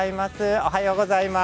おはようございます。